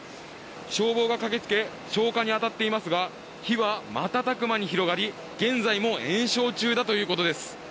消防が駆け付け消火に当たっていますが火はまたたく間に広がり、現在も延焼中だということです。